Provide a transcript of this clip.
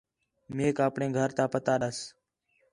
میک آپݨے گھر تا پتہ ݙَس